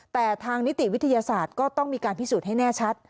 แต่ทางนิติวิทยาศาสตร์ก็ต้องมีการพิสูจน์ให้แน่ชัด